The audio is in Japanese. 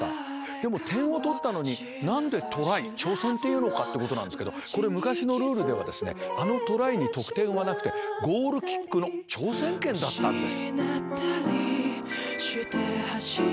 でも点を取ったのに何でトライ挑戦と言うのかってことなんですけどこれ昔のルールではあのトライに得点はなくてゴールキックの挑戦権だったんです。